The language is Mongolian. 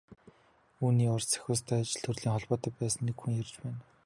Үүний урьд Сахиустай ажил төрлийн холбоотой байсан нэг хүн ярьж байна.